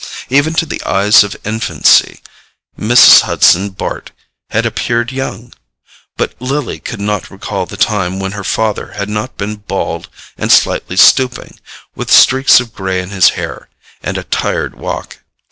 Even to the eyes of infancy, Mrs. Hudson Bart had appeared young; but Lily could not recall the time when her father had not been bald and slightly stooping, with streaks of grey in his hair, and a tired walk.